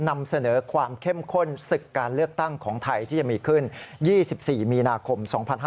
นำเสนอความเข้มข้นศึกการเลือกตั้งของไทยที่จะมีขึ้น๒๔มีนาคม๒๕๕๙